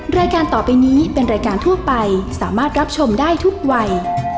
รายการต่อไปนี้เป็นรายการทั่วไปสามารถรับชมได้ทุกวัย